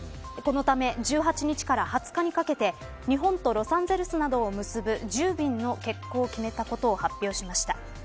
このため１８日から２０日にかけて日本とロサンゼルスなどを結ぶ１０便の欠航を決めたことを発表しました。